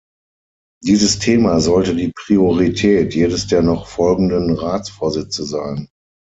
Dieses Thema sollte die Priorität jedes der noch folgenden Ratsvorsitze sein.